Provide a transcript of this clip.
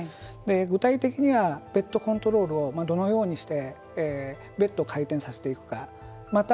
具体的にはベッドコントロールをどのようにしてベッドを回転させていくか。